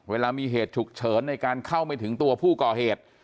เวลามีเหตุฉุกเฉินในการเข้าไม่ถึงตัวผู้ก่อเหตุ